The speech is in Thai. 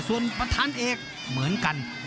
ส่วนประธานเอกเหมือนกัน